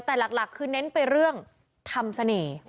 แต่หลักคือเน้นไปเรื่องทำเสน่ห์